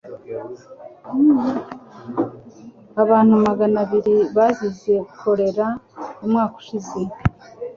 Abantu magana abiri bazize kolera umwaka ushize.